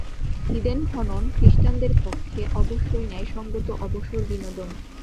হিদেন-হনন খ্রীষ্টানদের পক্ষে অবশ্যই ন্যায়সঙ্গত অবসর-বিনোদন।